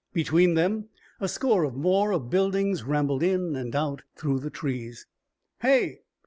Between them a score or more of buildings rambled in and out through the trees. "Hey!"